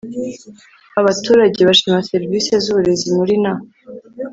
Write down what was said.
abaturage bashima serivisi z uburezi muri na